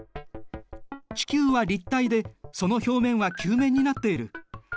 地球は立体でその表面は球面になっている。